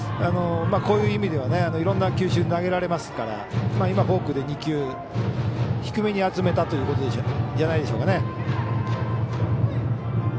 こういう意味ではいろんな球種投げられますからフォークで２球低めに集めたということじゃないでしょうかね。